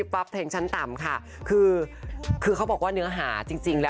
กับเพลงฮิตนะคะ